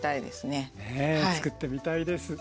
ねえ作ってみたいです。